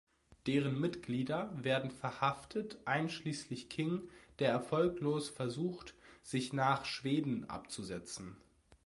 Deren Mitglieder werden verhaftet, einschließlich King, der erfolglos versucht, sich nach Schweden abzusetzen.